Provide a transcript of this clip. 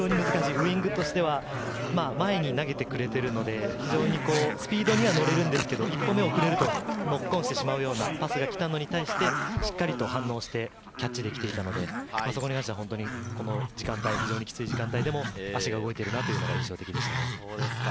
ウイングとしては前に投げてくれているので、スピードには乗れるんですけれど、１歩目が遅れるとノックオンしてしまうようなパスだったのに、反応してキャッチできていたので、このきつい時間帯でも足が動いているというのが印象的でした。